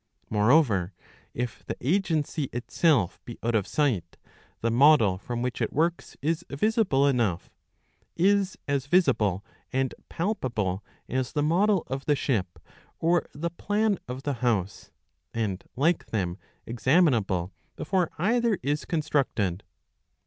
Moreover, if the agency itself be out of sight, the model from which it works is visible enough ; is as visible and palpable as the model of the ship or the plan of the house, and, like them, examinable before either is constructed.